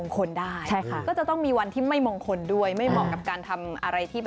เขาเรียกว่าวันอุบาป